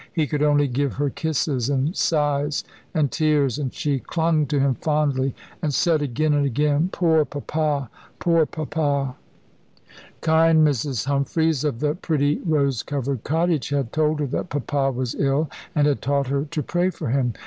He could only give her kisses, and sighs and tears; and she clung to him fondly, and said again and again: "Poor Papa, poor Papa!" Kind Mrs. Humphries, of the pretty rose covered cottage, had told her that Papa was ill, and had taught her to pray for him.